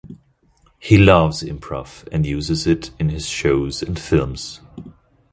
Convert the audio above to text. He loves Improv, and uses it in his shows and films.